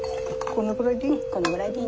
このぐらいでいい？